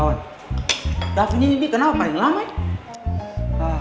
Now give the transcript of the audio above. kawan davin ini kenapa paling lama ya